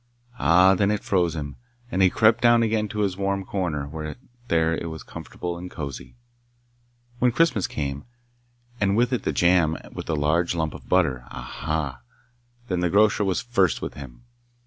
Ah! then it froze him, and he crept down again into his warm corner; there it was comfortable and cosy. When Christmas came, and with it the jam with the large lump of butter, ah! then the grocer was first with him.